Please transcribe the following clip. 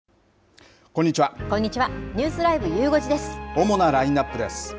主なラインナップです。